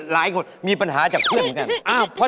หลายคนมีปัญหาจากเพื่อนเหมือนกัน